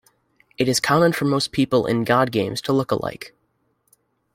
It is common for most people in god games to look alike.